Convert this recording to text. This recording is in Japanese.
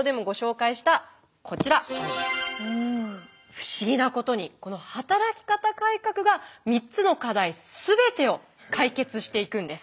不思議なことにこの働き方改革が３つの課題全てを解決していくんです。